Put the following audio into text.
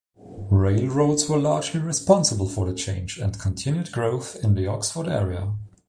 Railroads were largely responsible for change and continued growth in the Oxford area.